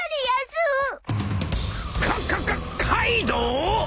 ［カカカカイドウ！？］